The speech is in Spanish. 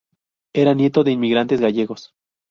Era nieto de inmigrantes gallegos.